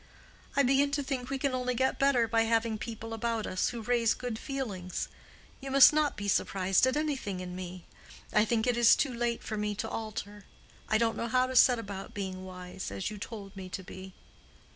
"I begin to think we can only get better by having people about us who raise good feelings. You must not be surprised at anything in me. I think it is too late for me to alter. I don't know how to set about being wise, as you told me to be."